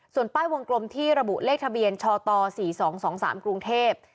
ส่วนป้ายวงกลมที่ระบุเลขทะเบียนชต๔๒๒๓กรุงเทพ